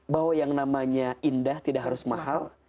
bahwa yang namanya indah tidak harus mahal